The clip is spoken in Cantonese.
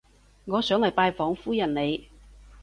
我想嚟拜訪夫人你